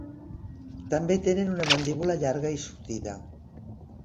També tenen una mandíbula llarga i sortida.